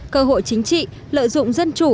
cơ hội chính trị lợi dụng dân chủ